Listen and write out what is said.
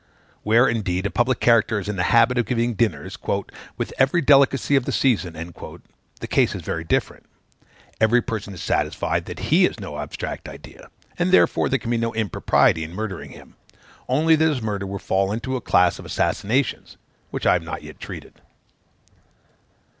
Where, indeed, a public character is in the habit of giving dinners, "with every delicacy of the season," the case is very different: every person is satisfied that he is no abstract idea; and, therefore, there can be no impropriety in murdering him; only that his murder will fall into the class of assassinations, which I have not yet treated.